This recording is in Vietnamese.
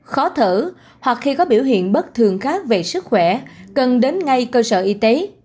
khó thở hoặc khi có biểu hiện bất thường khác về sức khỏe cần đến ngay cơ sở y tế